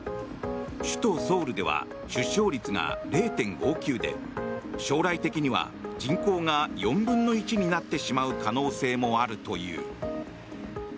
首都ソウルでは出生率が０．５９で将来的には人口が４分の１になってしまう可能性もあるという。